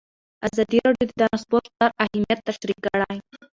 ازادي راډیو د ترانسپورټ ستر اهميت تشریح کړی.